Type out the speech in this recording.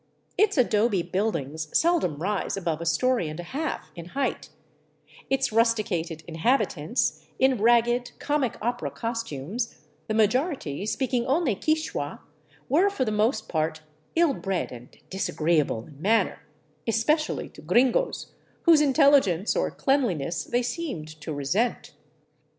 Its adobe buildings seldom rise above a story and a half in heighth ; its rusticated inhabitants, in ragged, comic opera costumes, the majority speaking only Quichua, were for the most part ill bred and disagreeable in manner, especially to " gringos," whose intelligence or cleanliness they seemed to resent.